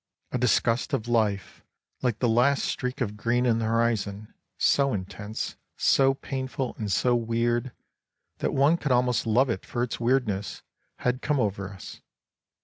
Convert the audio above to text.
A disgust of life, like the last streak of green in the horizon, so intense, so painful and so weird, that one could almost love it for its weirdness, had come over us.